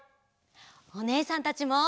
おねえさんたちも。